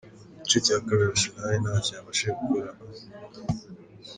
Mu gice cya kabiri Arsenal ntacyo yabashije gukora aho J.